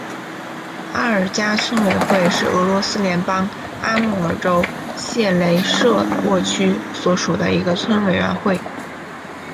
阿尔加村委员会是俄罗斯联邦阿穆尔州谢雷舍沃区所属的一个村委员会。